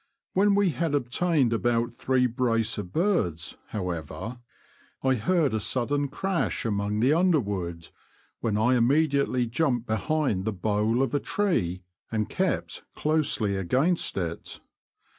When we had obtained The Confessions of a Poacher, 153 about three brace of birds, however, I heard a sudden crash among the underwood, when I hrimediately jumped behind the bole of a tree, and kept closely against it.